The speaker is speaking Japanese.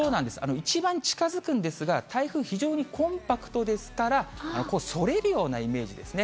一番近づくんですが、台風、非常にコンパクトですから、それるようなイメージですね。